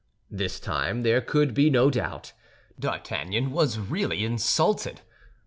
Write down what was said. This time there could be no doubt; D'Artagnan was really insulted.